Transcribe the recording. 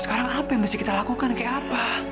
sekarang apa yang mesti kita lakukan kayak apa